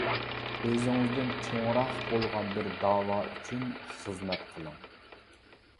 ئۆزىڭىزدىن چوڭراق بولغان بىر داۋا ئۈچۈن خىزمەت قىلىڭ.